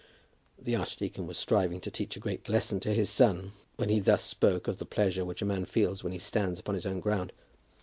The archdeacon was striving to teach a great lesson to his son when he thus spoke of the pleasure which a man feels when he stands upon his own ground.